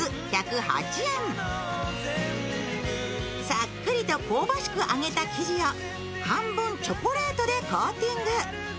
さっくりと香ばしく揚げた生地を、半分チョコレートでコーティング。